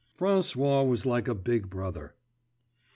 François was like a big brother.